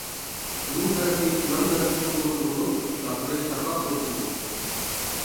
ئۇنىڭ دەرىخى چىلان دەرىخى چوڭلۇقىدا بولۇپ، شاخلىرى تارقاق ئۈسىدۇ.